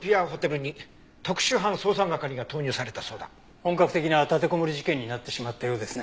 本格的な立てこもり事件になってしまったようですね。